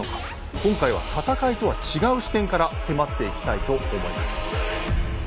今回は戦いとは違う視点から迫っていきたいと思います。